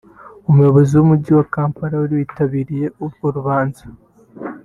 Umuyobozi w’Umujyi wa Kampala wari witabiriye urwo rubanza